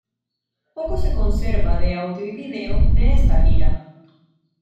Poco se conserva de audio y video de esta Gira.